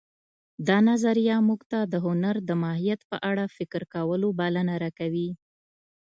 دا نظریه موږ ته د هنر د ماهیت په اړه فکر کولو بلنه راکوي